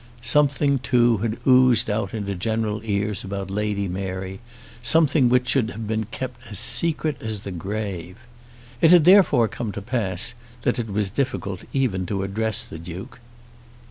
Something, too, had oozed out into general ears about Lady Mary, something which should have been kept secret as the grave. It had therefore come to pass that it was difficult even to address the Duke.